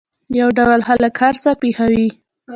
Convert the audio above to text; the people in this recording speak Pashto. یو ډول خلک هر څه پېښوي.